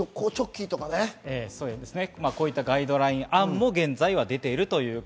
こういったガイドライン案も出ています。